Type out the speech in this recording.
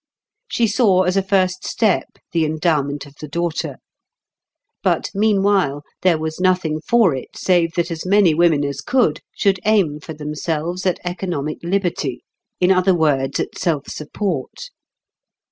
She saw as a first step the endowment of the daughter. But meanwhile there was nothing for it save that as many women as could should aim for themselves at economic liberty, in other words at self support.